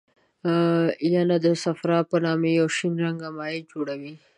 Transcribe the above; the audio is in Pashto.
ینه د صفرا په نامه یو شین رنګه مایع جوړوي.